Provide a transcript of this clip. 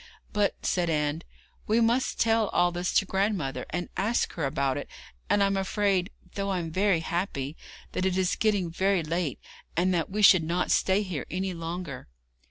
'But,' said Anne, 'we must tell all this to grandmother, and ask her about it; and I'm afraid though I'm very happy that it is getting very late, and that we should not stay here any longer.'